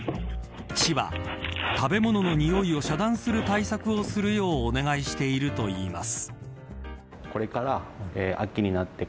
市は、食べ物のにおいを遮断する対策をするようお願いしているといいます。